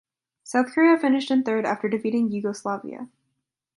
South Korea finished in third after defeating Yugoslavia.